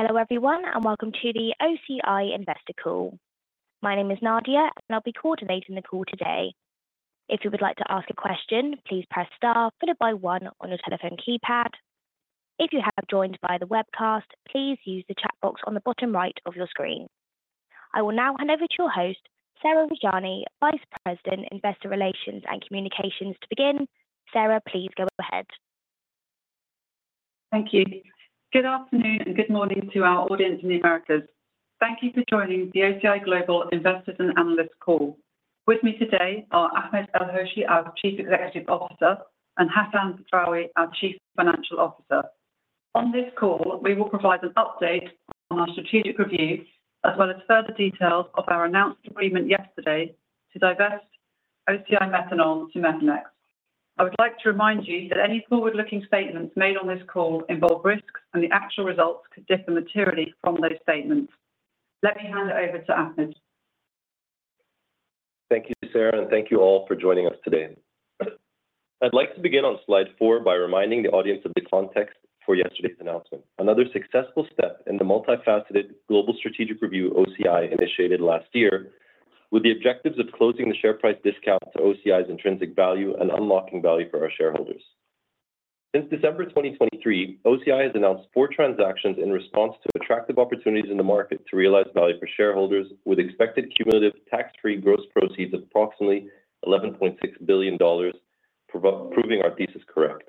Hello, everyone, and welcome to the OCI Investor Call. My name is Nadia, and I'll be coordinating the call today. If you would like to ask a question, please press star followed by one on your telephone keypad. If you have joined by the webcast, please use the chat box on the bottom right of your screen. I will now hand over to your host, Sarah Rajani, Vice President, Investor Relations and Communications, to begin. Sarah, please go ahead. Thank you. Good afternoon, and good morning to our audience in the Americas. Thank you for joining the OCI Global Investors and Analysts Call. With me today are Ahmed El-Hoshy, our Chief Executive Officer, and Hassan Badrawi, our Chief Financial Officer. On this call, we will provide an update on our strategic review, as well as further details of our announced agreement yesterday to divest OCI Methanol to Methanex. I would like to remind you that any forward-looking statements made on this call involve risks, and the actual results could differ materially from those statements. Let me hand it over to Ahmed. Thank you, Sarah, and thank you all for joining us today. I'd like to begin on slide four by reminding the audience of the context for yesterday's announcement. Another successful step in the multifaceted global strategic review OCI initiated last year, with the objectives of closing the share price discount to OCI's intrinsic value and unlocking value for our shareholders. Since December 2023, OCI has announced four transactions in response to attractive opportunities in the market to realize value for shareholders, with expected cumulative tax-free gross proceeds of approximately $11.6 billion, proving our thesis correct.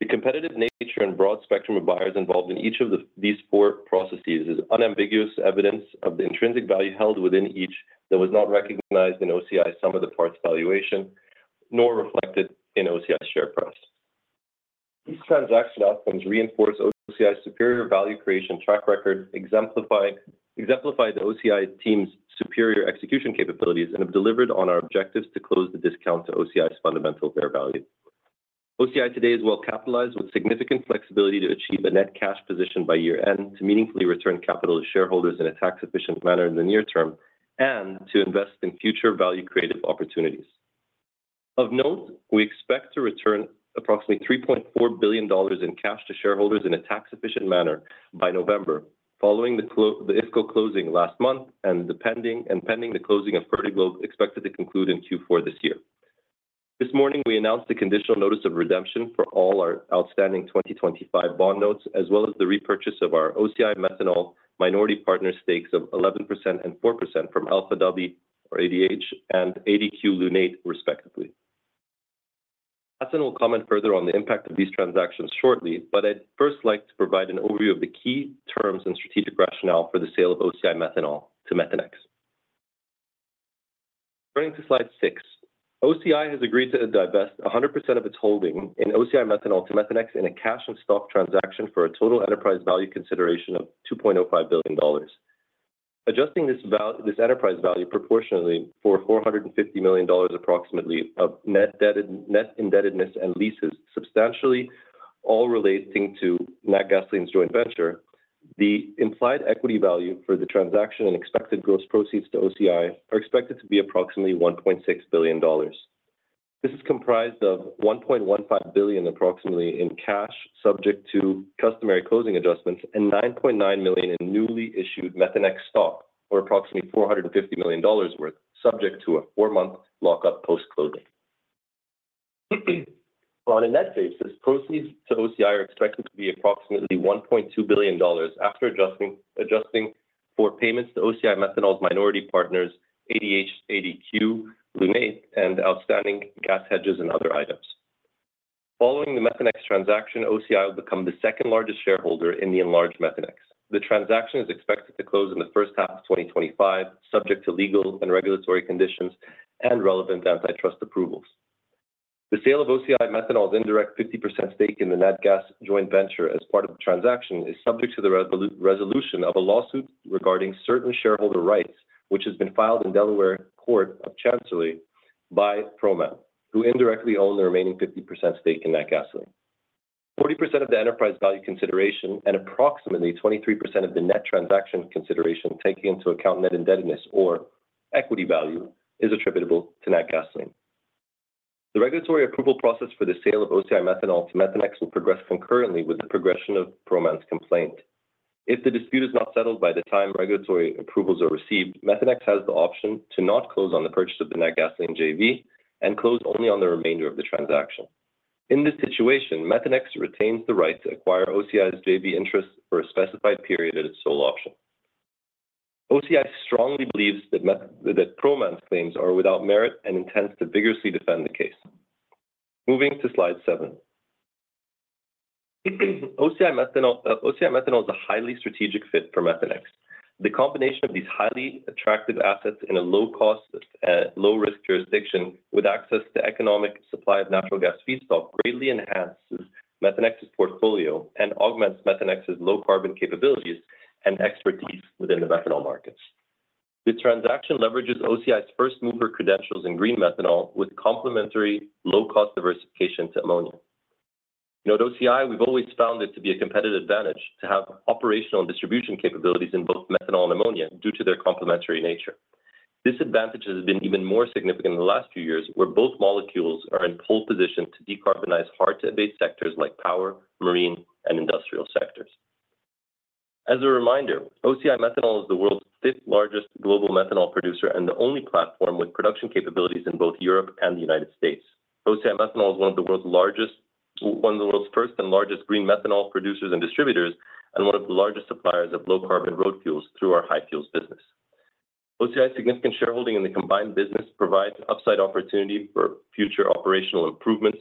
The competitive nature and broad spectrum of buyers involved in each of these four processes is unambiguous evidence of the intrinsic value held within each that was not recognized in OCI's sum of the parts valuation, nor reflected in OCI's share price. These transaction outcomes reinforce OCI's superior value creation track record, exemplify OCI's team's superior execution capabilities and have delivered on our objectives to close the discount to OCI's fundamental fair value. OCI today is well capitalized with significant flexibility to achieve a net cash position by year-end, to meaningfully return capital to shareholders in a tax-efficient manner in the near term, and to invest in future value creative opportunities. Of note, we expect to return approximately $3.4 billion in cash to shareholders in a tax-efficient manner by November, following the IFCO closing last month and the pending closing of Fertiglobe, expected to conclude in Q4 this year. This morning, we announced the conditional notice of redemption for all our outstanding 2025 bond notes, as well as the repurchase of our OCI Methanol minority partner stakes of 11% and 4% from Alpha Dhabi or ADH and ADQ Lunate, respectively. Hassan will comment further on the impact of these transactions shortly, but I'd first like to provide an overview of the key terms and strategic rationale for the sale of OCI Methanol to Methanex. Turning to slide six. OCI has agreed to divest 100% of its holding in OCI Methanol to Methanex in a cash and stock transaction for a total enterprise value consideration of $2.5 billion. Adjusting this enterprise value proportionately for $450 million, approximately, of net indebtedness and leases, substantially all relating to Natgasoline's joint venture, the implied equity value for the transaction and expected gross proceeds to OCI are expected to be approximately $1.6 billion. This is comprised of $1.15 billion, approximately, in cash, subject to customary closing adjustments, and 9.9 million in newly issued Methanex stock, or approximately $450 million worth, subject to a four-month lockup post-closing. On a net basis, proceeds to OCI are expected to be approximately $1.2 billion after adjusting for payments to OCI Methanol's minority partners, ADH, ADQ, Lunate, and outstanding gas hedges and other items. Following the Methanex transaction, OCI will become the second-largest shareholder in the enlarged Methanex. The transaction is expected to close in the first half of 2025, subject to legal and regulatory conditions and relevant antitrust approvals. The sale of OCI Methanol's indirect 50% stake in the Natgas joint venture as part of the transaction is subject to the resolution of a lawsuit regarding certain shareholder rights, which has been filed in Delaware Court of Chancery by Proman, who indirectly own the remaining 50% stake in Natgasoline. 40% of the enterprise value consideration and approximately 23% of the net transaction consideration, taking into account net indebtedness or equity value, is attributable to Natgasoline. The regulatory approval process for the sale of OCI Methanol to Methanex will progress concurrently with the progression of Proman's complaint. If the dispute is not settled by the time regulatory approvals are received, Methanex has the option to not close on the purchase of the Natgasoline JV and close only on the remainder of the transaction. In this situation, Methanex retains the right to acquire OCI's JV interest for a specified period at its sole option. OCI strongly believes that that Proman's claims are without merit and intends to vigorously defend the case. Moving to slide seven. OCI Methanol, OCI Methanol is a highly strategic fit for Methanex. The combination of these highly attractive assets in a low-cost, low-risk jurisdiction with access to economic supply of natural gas feedstock greatly enhances Methanex's portfolio and augments Methanex's low-carbon capabilities and expertise within the methanol markets. The transaction leverages OCI's first-mover credentials in green methanol with complementary low-cost diversification to ammonia. At OCI, we've always found it to be a competitive advantage to have operational and distribution capabilities in both methanol and ammonia due to their complementary nature. This advantage has been even more significant in the last few years, where both molecules are in pole position to decarbonize hard-to-abate sectors like power, marine, and industrial sectors. As a reminder, OCI Methanol is the world's fifth-largest global methanol producer and the only platform with production capabilities in both Europe and the United States. OCI Methanol is one of the world's first and largest green methanol producers and distributors, and one of the largest suppliers of low-carbon road fuels through our hyfuels business. OCI's significant shareholding in the combined business provides an upside opportunity for future operational improvements,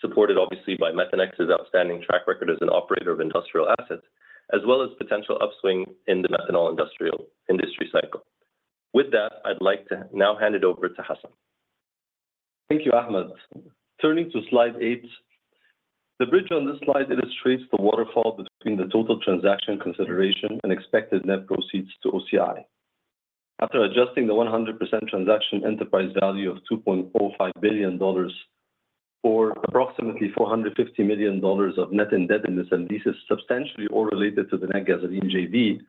supported obviously by Methanex's outstanding track record as an operator of industrial assets, as well as potential upswing in the methanol industrial industry cycle. With that, I'd like to now hand it over to Hassan. Thank you, Ahmed. Turning to slide eight, the bridge on this slide illustrates the waterfall between the total transaction consideration and expected net proceeds to OCI. After adjusting the 100% transaction enterprise value of $2.45 billion for approximately $450 million of net indebtedness, and this is substantially all related to the Natgas JV,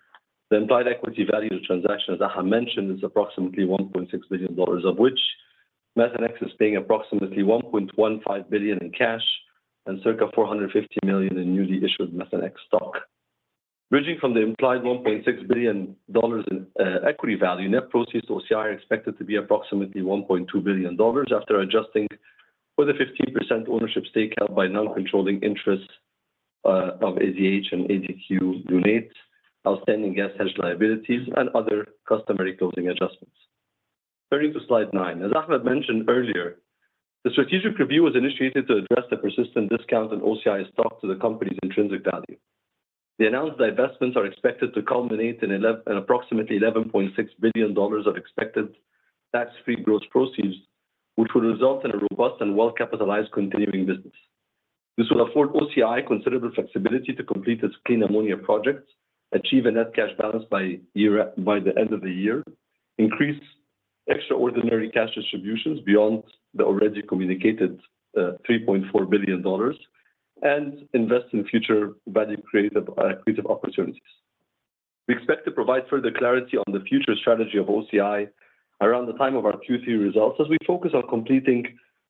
the implied equity value of the transaction, as Ahmed mentioned, is approximately $1.6 billion, of which Methanex is paying approximately $1.15 billion in cash and circa $450 million in newly issued Methanex stock. Bridging from the implied $1.6 billion in equity value, net proceeds to OCI are expected to be approximately $1.2 billion after adjusting for the 15% ownership stake held by non-controlling interests of ADH and ADQ units, outstanding gas hedge liabilities, and other customary closing adjustments. Turning to Slide nine. As Ahmed mentioned earlier, the strategic review was initiated to address the persistent discount on OCI's stock to the company's intrinsic value. The announced divestments are expected to culminate in approximately $11.6 billion of expected tax-free gross proceeds, which will result in a robust and well-capitalized continuing business. This will afford OCI considerable flexibility to complete its clean ammonia projects, achieve a net cash balance by the end of the year, increase extraordinary cash distributions beyond the already communicated $3.4 billion, and invest in future value creative opportunities. We expect to provide further clarity on the future strategy of OCI around the time of our Q3 results, as we focus on completing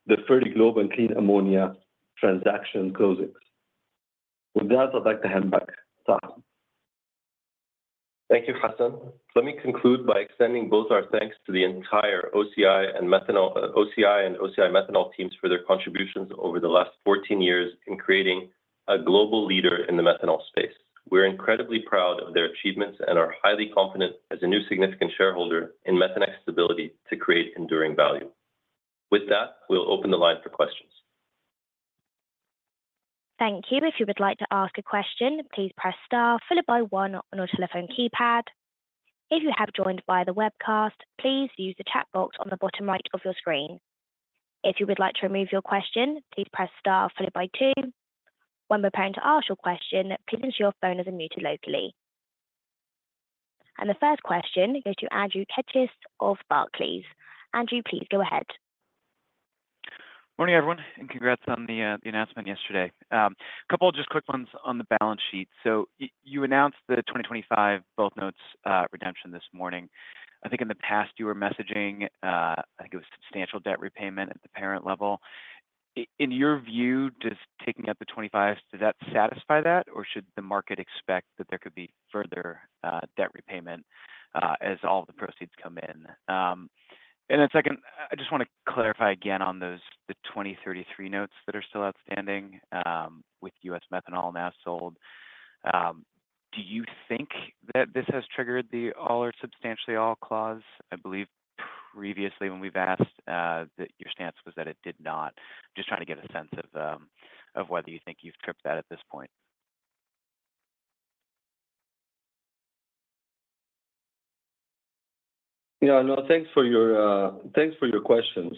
the Fertiglobe and clean ammonia transaction closings. With that, I'd like to hand back to Ahmed. Thank you, Hassan. Let me conclude by extending both our thanks to the entire OCI and Methanol, OCI and OCI Methanol teams for their contributions over the last fourteen years in creating a global leader in the methanol space. We're incredibly proud of their achievements and are highly confident as a new significant shareholder in Methanex's ability to create enduring value. With that, we'll open the line for questions. Thank you. If you would like to ask a question, please press star followed by one on your telephone keypad. If you have joined via the webcast, please use the chat box on the bottom right of your screen. If you would like to remove your question, please press star followed by two. When preparing to ask your question, please ensure your phone isn't muted locally, and the first question goes to Andrew Keches of Barclays. Andrew, please go ahead. Morning, everyone, and congrats on the announcement yesterday. A couple of just quick ones on the balance sheet. So you announced the 2025 bond notes redemption this morning. I think in the past, you were messaging, I think it was substantial debt repayment at the parent level. In your view, just taking up the 2025s, does that satisfy that, or should the market expect that there could be further debt repayment as all the proceeds come in? And then second, I just want to clarify again on those, the 2033 notes that are still outstanding, with OCI Methanol now sold. Do you think that this has triggered the all or substantially all clause? I believe previously when we've asked, that your stance was that it did not. Just trying to get a sense of whether you think you've tripped that at this point. Yeah, no, thanks for your questions.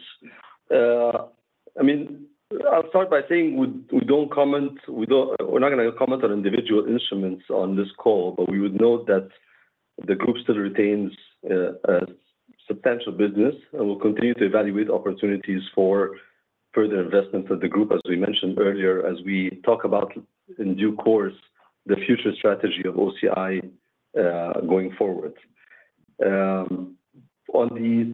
I mean, I'll start by saying we don't comment, we don't-- we're not gonna comment on individual instruments on this call, but we would note that the group still retains a substantial business and will continue to evaluate opportunities for further investments of the group, as we mentioned earlier, as we talk about in due course, the future strategy of OCI going forward. On the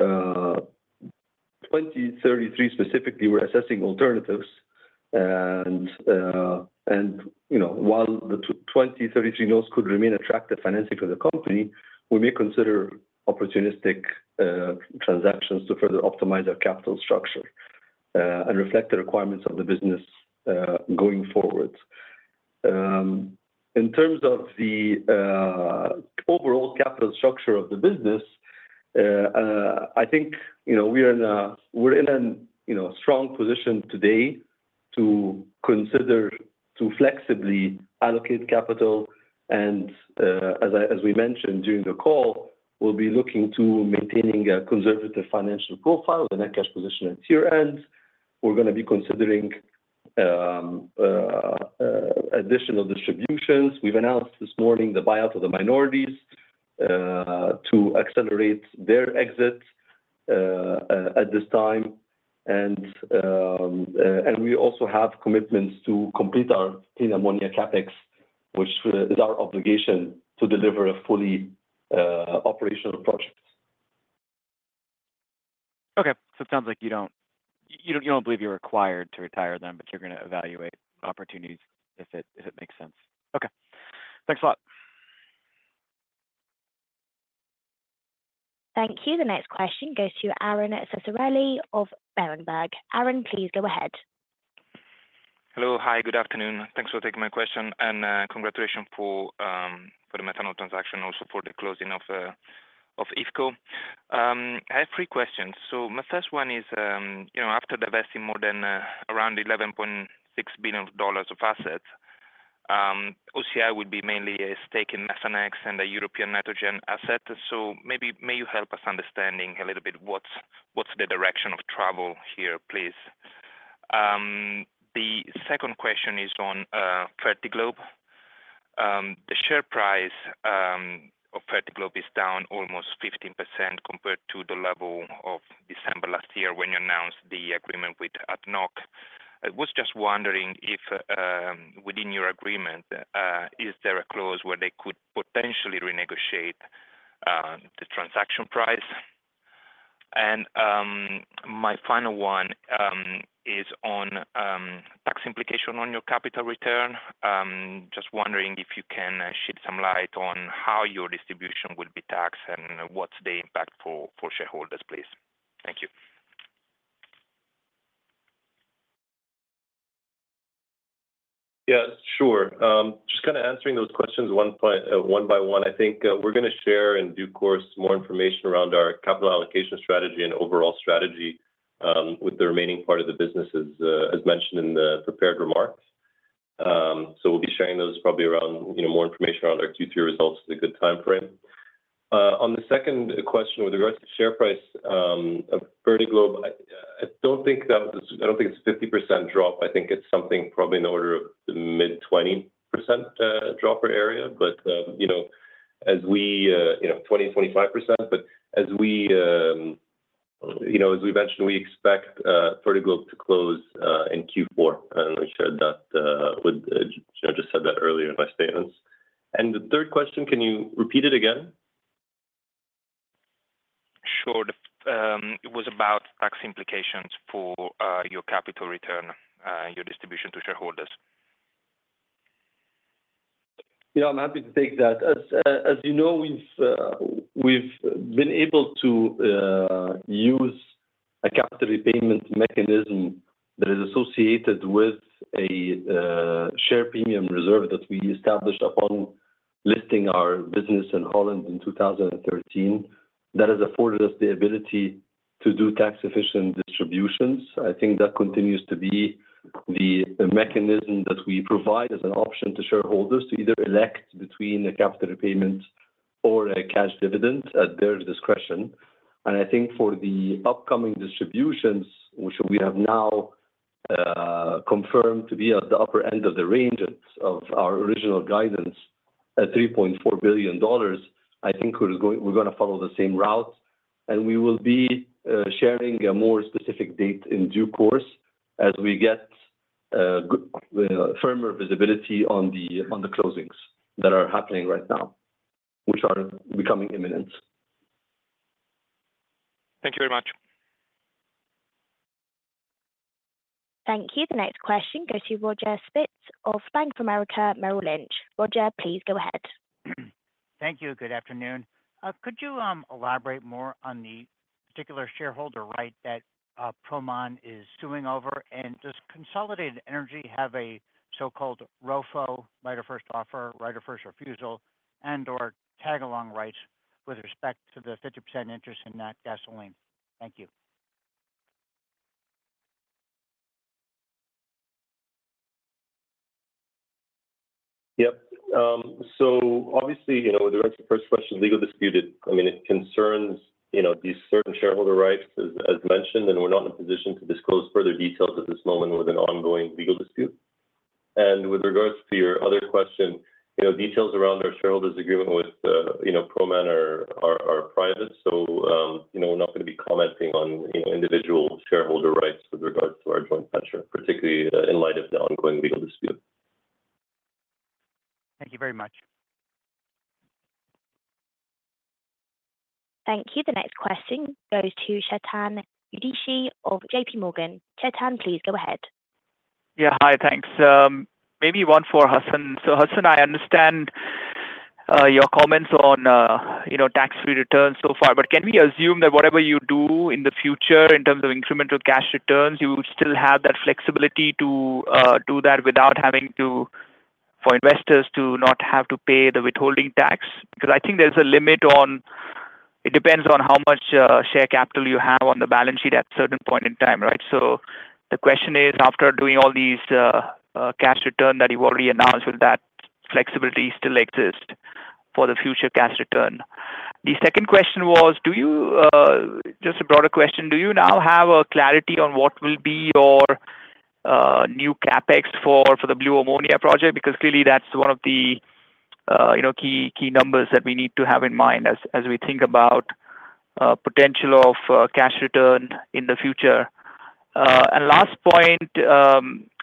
2033 specifically, we're assessing alternatives, and you know, while the 2033 notes could remain attractive financing for the company, we may consider opportunistic transactions to further optimize our capital structure and reflect the requirements of the business going forward. In terms of the overall capital structure of the business, I think, you know, we're in a, you know, strong position today to consider flexibly allocate capital, and as we mentioned during the call, we'll be looking to maintaining a conservative financial profile, the net cash position at year-end. We're gonna be considering additional distributions. We've announced this morning the buyout of the minorities to accelerate their exit at this time, and we also have commitments to complete our clean ammonia CapEx, which is our obligation to deliver a fully operational project. Okay. So it sounds like you don't believe you're required to retire them, but you're gonna evaluate opportunities if it makes sense. Okay. Thanks a lot. Thank you. The next question goes to Aron Ceccarelli of Berenberg. Aron, please go ahead. Hello. Hi, good afternoon. Thanks for taking my question, and, congratulations for the methanol transaction, also for the closing of IFCO. I have three questions. So my first one is, you know, after divesting more than, around $11.6 billion of assets, OCI would be mainly a stake in Methanex and the European nitrogen asset. So maybe you help us understanding a little bit what's the direction of travel here, please? The second question is on Fertiglobe. The share price of Fertiglobe is down almost 15% compared to the level of December last year when you announced the agreement with ADNOC. I was just wondering if, within your agreement, is there a clause where they could potentially renegotiate the transaction price? My final one is on tax implication on your capital return. Just wondering if you can shed some light on how your distribution will be taxed and what's the impact for shareholders, please. Thank you. Yeah, sure. Just kind of answering those questions one by one. I think, we're gonna share, in due course, more information around our capital allocation strategy and overall strategy, with the remaining part of the business, as, as mentioned in the prepared remarks. So we'll be sharing those probably around, you know. More information around our Q3 results is a good time frame. On the second question, with regards to share price, of Fertiglobe, I, I don't think that was-- I don't think it's 50% drop. I think it's something probably in the order of the mid-20%, drop area. But, you know, as we, you know, 20%-25%, but as we, you know, as we mentioned, we expect, Fertiglobe to close, in Q4. And I shared that, with, I just said that earlier in my statements. And the third question, can you repeat it again? Sure. It was about tax implications for your capital return, your distribution to shareholders. Yeah, I'm happy to take that. As you know, we've been able to use a capital repayment mechanism that is associated with a share premium reserve that we established upon listing our business in Holland in 2013. That has afforded us the ability to do tax-efficient distributions. I think that continues to be the mechanism that we provide as an option to shareholders to either elect between a capital repayment or a cash dividend at their discretion. And I think for the upcoming distributions, which we have now confirmed to be at the upper end of the range of our original guidance at $3.4 billion, I think we're going, we're gonna follow the same route, and we will be sharing a more specific date in due course as we get firmer visibility on the closings that are happening right now, which are becoming imminent. Thank you very much. Thank you. The next question goes to Roger Spitz of Bank of America Merrill Lynch. Roger, please go ahead. Thank you. Good afternoon. Could you elaborate more on the particular shareholder right that Proman is suing over? And does Consolidated Energy have a so-called ROFO, right of first offer, right of first refusal, and/or tag-along rights with respect to the 50% interest in Natgasoline? Thank you. Yep. So obviously, you know, with the first question, legal dispute, I mean, it concerns, you know, these certain shareholder rights as mentioned, and we're not in a position to disclose further details at this moment with an ongoing legal dispute. And with regards to your other question, you know, details around our shareholders' agreement with, you know, Proman are private. So, you know, we're not gonna be commenting on individual shareholder rights with regards to our joint venture, particularly in light of the ongoing legal dispute. Thank you very much. Thank you. The next question goes to Chetan Udeshi of J.P. Morgan. Chetan, please go ahead. Yeah. Hi, thanks. Maybe one for Hassan. So Hassan, I understand your comments on, you know, tax-free returns so far, but can we assume that whatever you do in the future in terms of incremental cash returns, you will still have that flexibility to do that without having to... for investors to not have to pay the withholding tax? Because I think there's a limit on, it depends on how much share capital you have on the balance sheet at a certain point in time, right? So the question is, after doing all these cash return that you've already announced, will that flexibility still exist for the future cash return? The second question was, do you just a broader question: Do you now have a clarity on what will be your new CapEx for the blue ammonia project? Because clearly, that's one of the you know, key numbers that we need to have in mind as we think about potential of cash return in the future, and last point,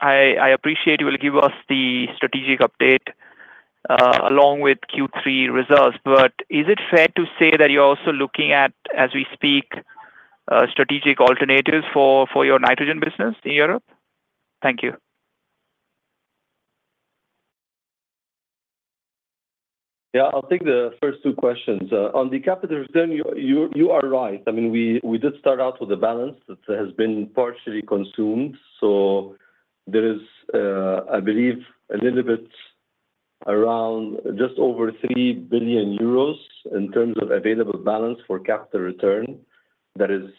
I appreciate you will give us the strategic update along with Q3 results, but is it fair to say that you're also looking at, as we speak, strategic alternatives for your nitrogen business in Europe? Thank you. Yeah, I'll take the first two questions. On the capital return, you are right. I mean, we did start out with a balance that has been partially consumed. So there is, I believe, a little bit around just over 3 billion euros in terms of available balance for capital return that is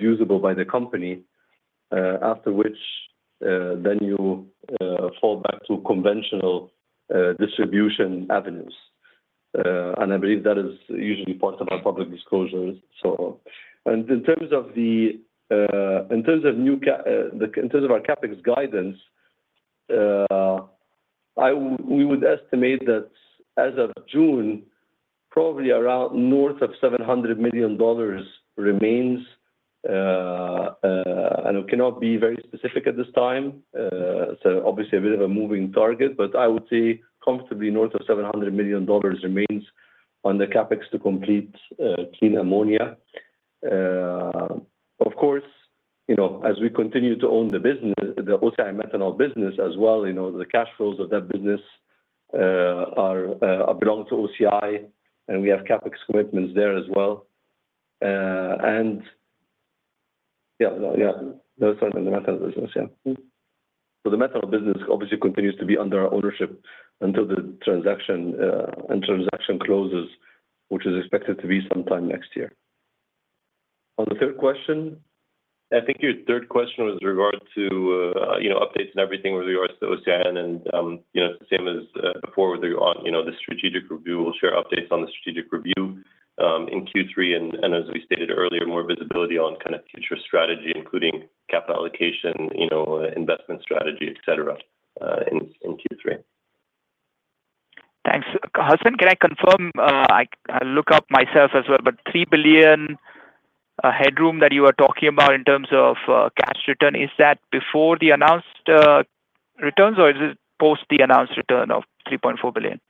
usable by the company. After which, then you fall back to conventional distribution avenues. And I believe that is usually part of our public disclosures. So. And in terms of our CapEx guidance, we would estimate that as of June, probably around north of $700 million remains. And we cannot be very specific at this time. So obviously a bit of a moving target, but I would say comfortably north of $700 million remains on the CapEx to complete clean ammonia. Of course, you know, as we continue to own the business, the OCI Methanol business as well, you know, the cash flows of that business belong to OCI, and we have CapEx commitments there as well. Yeah, those are in the Methanol business. Yeah. Mm-hmm. So the methanol business obviously continues to be under our ownership until the transaction closes, which is expected to be sometime next year. On the third question? I think your third question was with regard to, you know, updates and everything with regards to OCI and, you know, same as before with on, you know, the strategic review. We'll share updates on the strategic review in Q3, and as we stated earlier, more visibility on kind of future strategy, including capital allocation, you know, investment strategy, et cetera in Q3. Thanks. Hassan, can I confirm? I'll look it up myself as well, but 3 billion headroom that you are talking about in terms of cash return, is that before the announced returns, or is it post the announced return of 3.4 billion?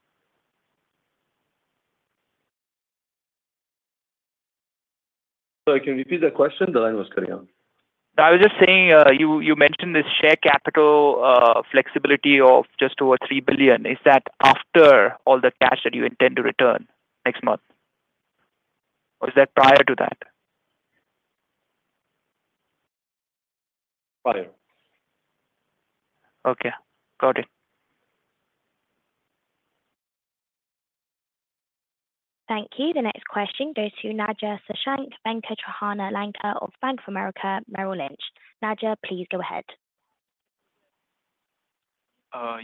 Sorry, can you repeat that question? The line was cutting out. I was just saying, you mentioned this share capital flexibility of just over 3 billion. Is that after all the cash that you intend to return next month, or is that prior to that? Prior. Okay, got it. Thank you. The next question goes to Sashank Lanka of Bank of America, Merrill Lynch. Sashank, please go ahead.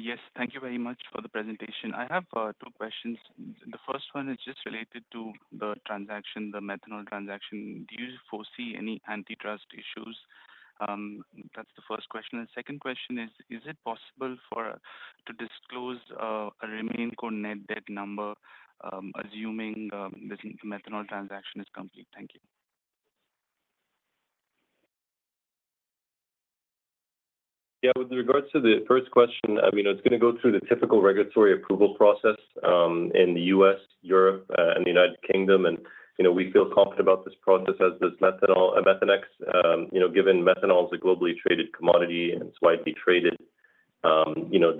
Yes, thank you very much for the presentation. I have two questions. The first one is just related to the transaction, the methanol transaction. Do you foresee any antitrust issues? That's the first question. And second question is, is it possible to disclose a remaining core net debt number, assuming this methanol transaction is complete? Thank you. Yeah, with regards to the first question, I mean, it's gonna go through the typical regulatory approval process in the U.S., Europe, and the United Kingdom. And, you know, we feel confident about this process as this methanol, Methanex. You know, given methanol is a globally traded commodity, and it's widely traded. You know,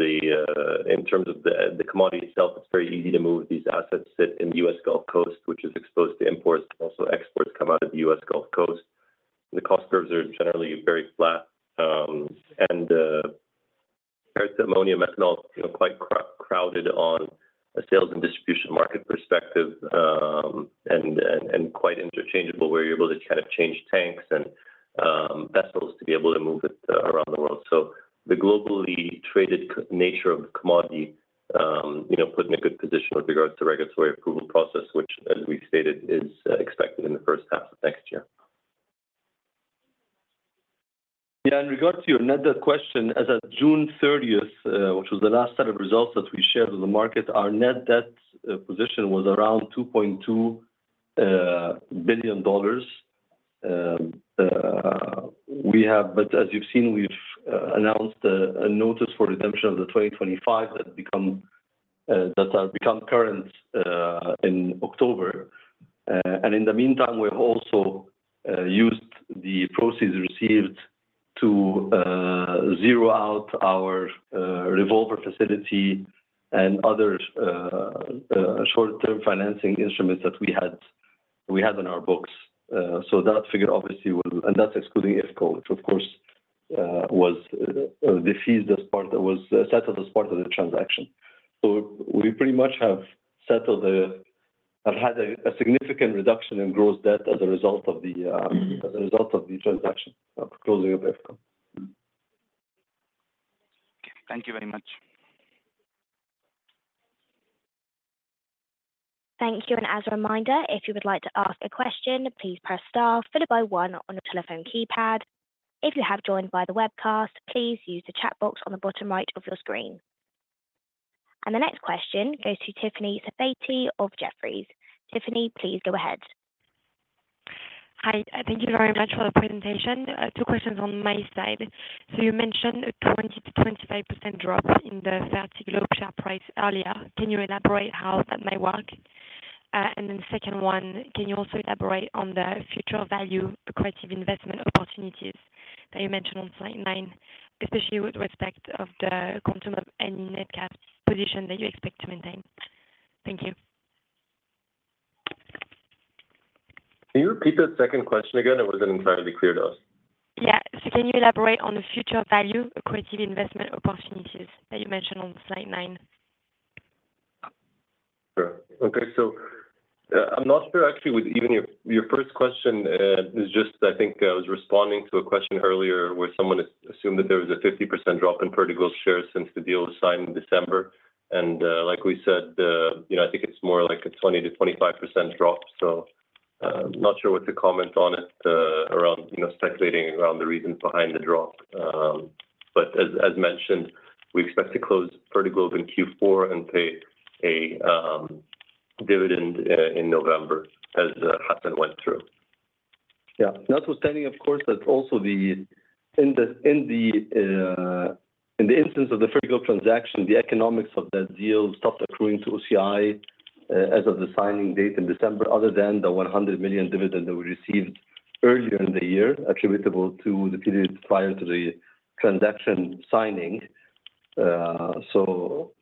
in terms of the commodity itself, it's very easy to move. These assets sit in the U.S. Gulf Coast, which is exposed to imports. Also, exports come out of the U.S. Gulf Coast. The cost curves are generally very flat, and ammonia and methanol, you know, quite crowded on a sales and distribution market perspective, and quite interchangeable, where you're able to kind of change tanks and vessels to be able to move it around the world. So the globally traded seaborne nature of the commodity, you know, put in a good position with regards to regulatory approval process, which, as we've stated, is expected in the first half of next year. Yeah, in regards to your net debt question, as of June thirtieth, which was the last set of results that we shared with the market, our net debt position was around $2.2 billion. But as you've seen, we've announced a notice for redemption of the 2025 that have become current in October. And in the meantime, we've also used the proceeds received to zero out our revolver facility and other short-term financing instruments that we had in our books. So that figure obviously will... And that's excluding IFCO, which of course was defeased as part... That was settled as part of the transaction. We pretty much have had a significant reduction in gross debt as a result of the transaction, the closing of IFCO. Okay. Thank you very much. ... Thank you, and as a reminder, if you would like to ask a question, please press star followed by one on your telephone keypad. If you have joined by the webcast, please use the chat box on the bottom right of your screen. And the next question goes to Tiffany Serfaty of Jefferies. Tiffany, please go ahead. Hi. Thank you very much for the presentation. Two questions on my side. So you mentioned a 20%-25% drop in the Fertiglobe share price earlier. Can you elaborate how that may work? And then the second one, can you also elaborate on the future value, accretive investment opportunities that you mentioned on slide 9, especially with respect of the quantum of any net cash position that you expect to maintain? Thank you. Can you repeat that second question again? It wasn't entirely clear to us. Yeah. So can you elaborate on the future value, accretive investment opportunities that you mentioned on slide nine? Sure. Okay. So, I'm not sure actually with even your, your first question. It's just I think I was responding to a question earlier where someone assumed that there was a 50% drop in Fertiglobe shares since the deal was signed in December. And, like we said, the, you know, I think it's more like a 20% to 25% drop. So, not sure what to comment on it, around, you know, speculating around the reasons behind the drop. But as mentioned, we expect to close Fertiglobe in Q4 and pay a dividend in November, as Hassan went through. Yeah. Notwithstanding, of course, that also the... In the instance of the Fertiglobe transaction, the economics of that deal stopped accruing to OCI as of the signing date in December, other than the $100 million dividend that we received earlier in the year, attributable to the period prior to the transaction signing. So,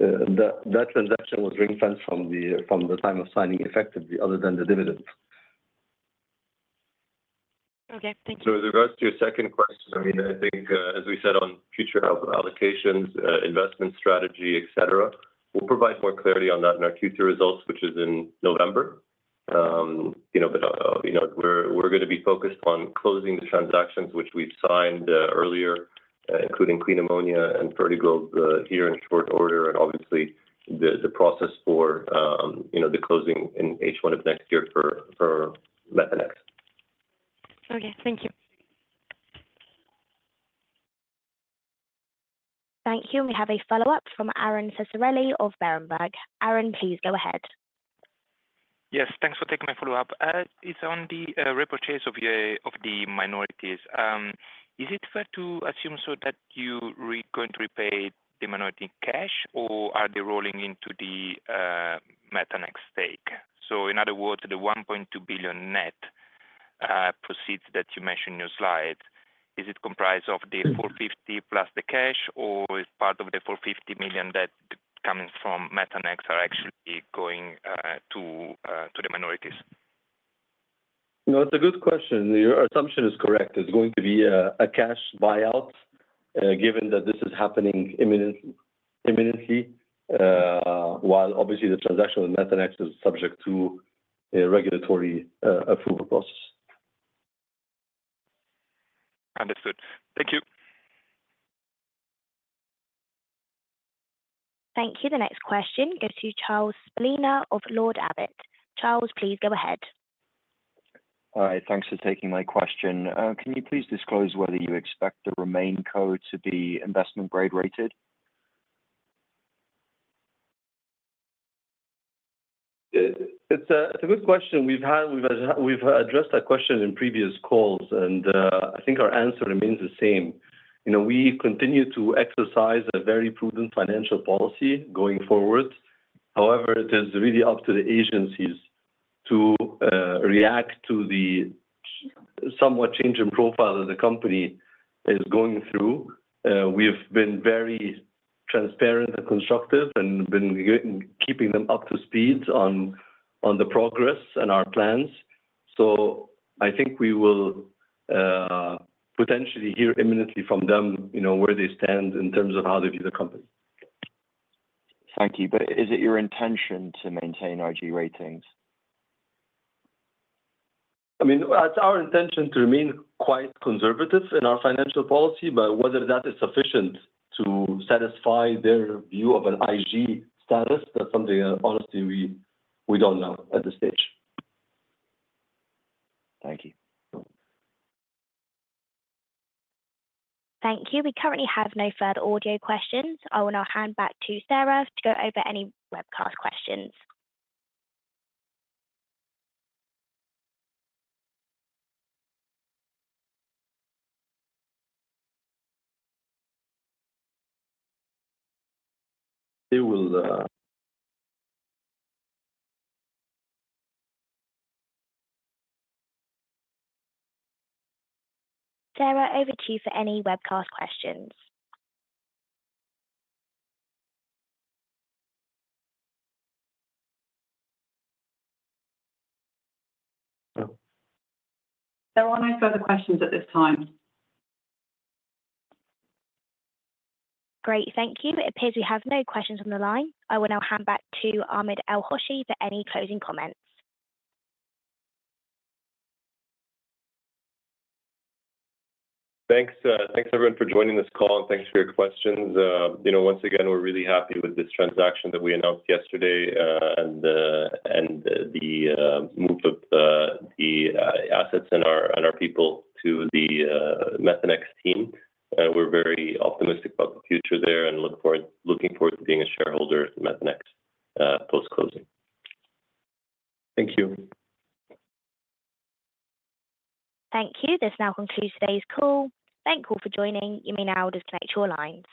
that transaction was ring-fenced from the time of signing effectively, other than the dividends. Okay. Thank you. So with regards to your second question, I mean, I think, as we said on future allocations, investment strategy, et cetera, we'll provide more clarity on that in our Q2 results, which is in November. You know, but, you know, we're gonna be focused on closing the transactions which we've signed earlier, including Clean Ammonia and Fertiglobe here in short order, and obviously the process for you know the closing in H1 of next year for Methanex. Okay. Thank you. Thank you. We have a follow-up from Aron Ceccarelli of Berenberg. Aaron, please go ahead. Yes, thanks for taking my follow-up. It's on the repurchase of the minorities. Is it fair to assume that you are going to repay the minority in cash, or are they rolling into the Methanex stake? So in other words, the $1.2 billion net proceeds that you mentioned in your slide, is it comprised of the $450 million plus the cash, or is part of the $450 million that comes from Methanex actually going to the minorities? No, it's a good question. Your assumption is correct. It's going to be a cash buyout, given that this is happening imminently, while obviously the transaction with Methanex is subject to a regulatory approval process. Understood. Thank you. Thank you. The next question goes to Charles Spelina of Lord Abbett. Charles, please go ahead. Hi, thanks for taking my question. Can you please disclose whether you expect the RemainCo to be investment grade rated? It's a good question. We've addressed that question in previous calls, and I think our answer remains the same. You know, we continue to exercise a very prudent financial policy going forward. However, it is really up to the agencies to react to the somewhat change in profile that the company is going through. We have been very transparent and constructive and keeping them up to speed on the progress and our plans. So I think we will potentially hear imminently from them, you know, where they stand in terms of how they view the company. Thank you. But is it your intention to maintain IG ratings? I mean, it's our intention to remain quite conservative in our financial policy, but whether that is sufficient to satisfy their view of an IG status, that's something that honestly, we don't know at this stage. Thank you. Thank you. We currently have no further audio questions. I will now hand back to Sarah to go over any webcast questions. It will. Sarah, over to you for any webcast questions. Oh. There are no further questions at this time. Great, thank you. It appears we have no questions on the line. I will now hand back to Ahmed El-Hoshy for any closing comments. Thanks, thanks, everyone, for joining this call, and thanks for your questions. You know, once again, we're really happy with this transaction that we announced yesterday, and the move of the assets and our people to the Methanex team. We're very optimistic about the future there and looking forward to being a shareholder at Methanex, post-closing. Thank you. Thank you. This now concludes today's call. Thank you all for joining. You may now disconnect your lines.